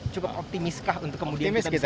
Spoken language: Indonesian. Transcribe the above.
cukup optimiskah untuk kemudian kita bisa berdua tahun